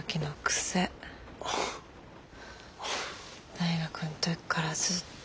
大学の時からずっと。